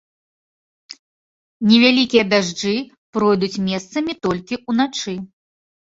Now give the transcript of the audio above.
Невялікія дажджы пройдуць месцамі толькі ўначы.